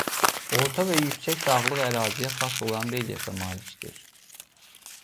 Orta və yüksək dağlıq əraziyə xas olan relyefə malikdir.